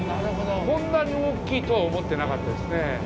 こんなに大きいとは思ってなかったですね。